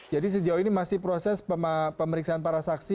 jadi sejauh ini masih proses pemeriksaan para saksi